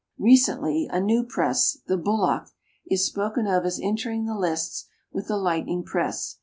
Recently a new press, the Bullock, is spoken of as entering the lists with the Lightning Press.